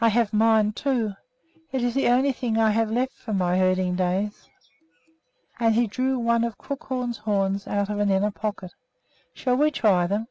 "I have mine, too. It is the only thing I have left from my herding days." And he drew one of Crookhorn's horns out of an inner pocket. "Shall we try them?"